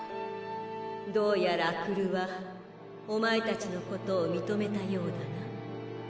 どうやら阿久留はおまえ達のことを認めたようだな。